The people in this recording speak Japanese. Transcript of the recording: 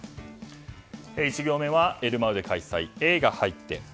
１行目はエルマウで開催の「エ」が入って。